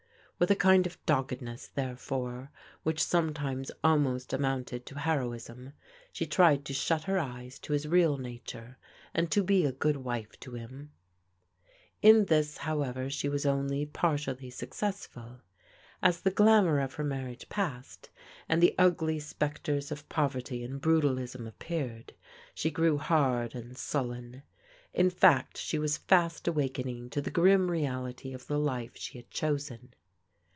With a kind of doggedness, therefore, which sometimes almost amounted to heroism, she tried to shut her eyes to his real nature, and to be a good Vile \.o \Cvkv* 260 PBODIGAL DAUOHTEBS In this, however, she was only partially successful As the glamour of her marriage passed, and the ug^j spectres of poverty and brutalism appeared, she grew hard and sullen.* In fact she was fast awakening to the grim reality of the life she had chosen.